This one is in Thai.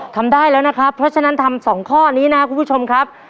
ทำได้แล้วนะครับเพราะฉะนั้นทำ๒ข้อนี้นะครับคุณผู้ชมครับ